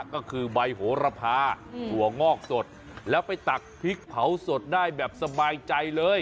ก็คือใบโหระพาถั่วงอกสดแล้วไปตักพริกเผาสดได้แบบสบายใจเลย